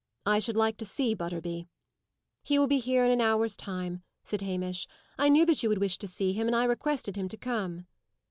"I should like to see Butterby." "He will be here in an hour's time," said Hamish. "I knew you would wish to see him, and I requested him to come."